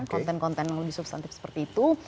konten konten yang lebih substantif seperti itu